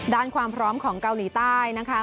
ความพร้อมของเกาหลีใต้นะคะ